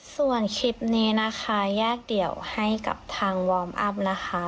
ส่วนคลิปนี้นะคะแยกเดี่ยวให้กับทางวอร์มอัพนะคะ